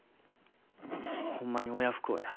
ほんまに親不孝や。